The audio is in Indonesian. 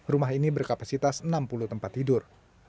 rumah ini berkapasitas enam puluh tempat tidur